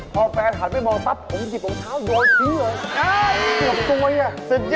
พอแฟนหันไปมองปั๊บผมหยิบรองเท้าอยู่เอาทีเลย